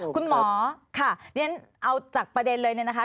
คุณหมอค่ะเรียนเอาจากประเด็นเลยเนี่ยนะคะ